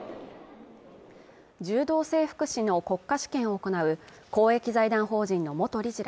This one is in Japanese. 柔道整復師の国家試験を行う公益財団法人の元理事ら